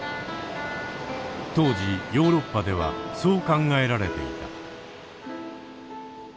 当時ヨーロッパではそう考えられていた。